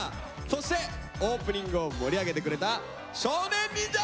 そしてオープニングを盛り上げてくれた少年忍者！